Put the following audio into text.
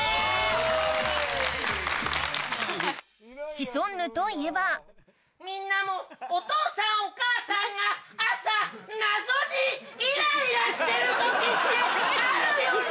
シソンヌといえばみんなもお父さんお母さんが朝謎にイライラしてる時ってあるよね？